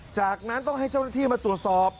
จากนั้นต้องให้เจ้าหน้าที่มาตรวจสอบ